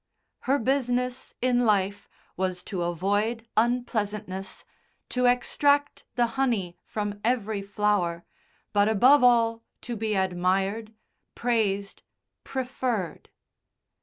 Her business in life was to avoid unpleasantness, to extract the honey from every flower, but above all to be admired, praised, preferred.